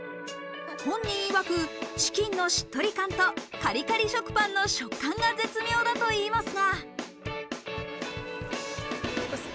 本人いわくチキンのしっとり感とカリカリ食パンの食感が絶妙だといいますが。